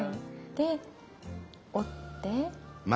で折って。